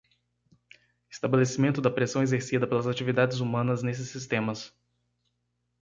Estabelecimento da pressão exercida pelas atividades humanas nesses sistemas.